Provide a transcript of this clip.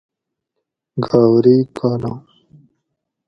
گاؤری کالام